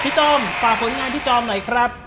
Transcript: จอมฝากผลงานพี่จอมหน่อยครับ